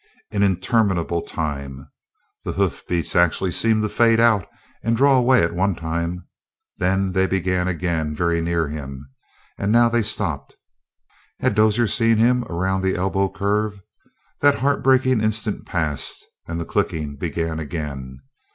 An interminable time. The hoofbeats actually seemed to fade out and draw away at one time. Then they began again very near him, and now they stopped. Had Dozier seen him around the elbow curve? That heartbreaking instant passed, and the clicking began again.